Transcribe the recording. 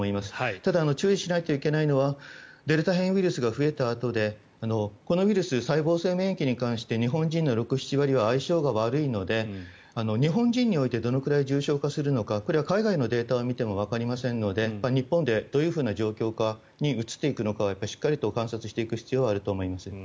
ただ、注意しないといけないのはデルタ変異ウイルスが増えたあとでこのウイルスは細胞性免疫に関して日本人の６７割は相性が悪いので日本人においてどのくらい重症化するのかこれは海外のデータを見てもわかりませんので日本でどういうふうな状況に移っていくのかしっかりと観察していく必要があると思います。